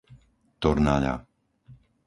Tornaľa